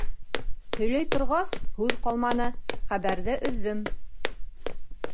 Һөйләй торғас, һүҙ ҡалманы, Хәбәрҙе өҙҙөм